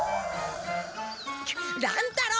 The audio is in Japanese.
乱太郎！